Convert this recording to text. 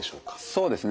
そうですね